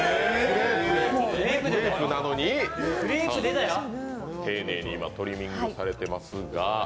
クレープなのに丁寧に今、トリミングされていますが。